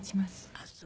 ああそう。